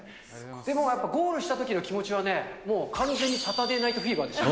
でもやっぱり、ゴールしたときの気持ちはね、もう完全にサタデー・ナイト・フィーバーでした。